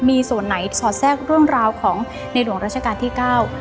มีส่วนไหนสอดแทรกเรื่องราวของในหลวงราชการที่เก้า